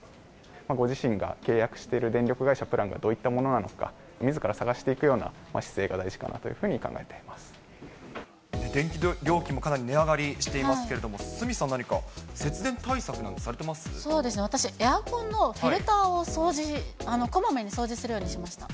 ご自身が契約している電力会社プランがどういったものなのか、みずから探していくような姿勢が大事かなというふうに考えていま電気料金もかなり値上がりしていますけれども、鷲見さん、そうですね、私、エアコンのフィルターをこまめに掃除するようにしました。